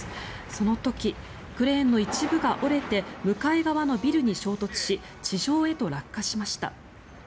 その時、クレーンの一部が折れて向かい側のビルに衝突し地上へと落下しました。